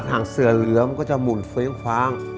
หากเสือเหลืองมันก็จะหมุนเว้งคว้าง